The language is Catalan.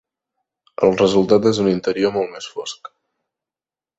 El resultat és un interior molt més fosc.